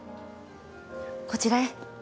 こちらへ。